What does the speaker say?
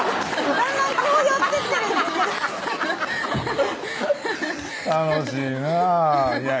だんだんこう寄ってってる楽しいなぁいやいいやん